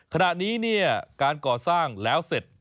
ขณะนี้การก่อสร้างแล้วเสร็จ